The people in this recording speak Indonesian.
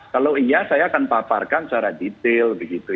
kalau iya saya akan paparkan secara detail begitu